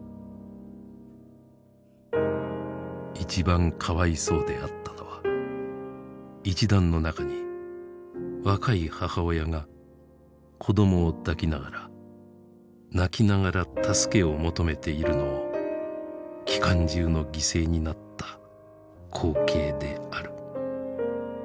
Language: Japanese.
「一番可愛相であったのは一団の中に若い母親が子供を抱き乍ら泣き乍ら助けを求めているのを機関銃の犠牲になった光景である。